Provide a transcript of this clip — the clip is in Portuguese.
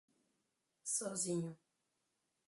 Sozinho